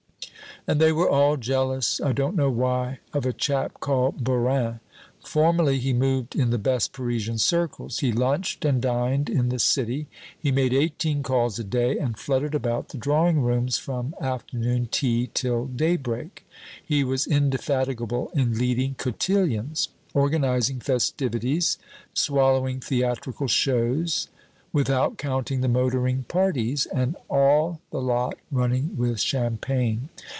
"And they were all jealous, I don't know why, of a chap called Bourin. Formerly he moved in the best Parisian circles. He lunched and dined in the city. He made eighteen calls a day, and fluttered about the drawing rooms from afternoon tea till daybreak. He was indefatigable in leading cotillons, organizing festivities, swallowing theatrical shows, without counting the motoring parties, and all the lot running with champagne.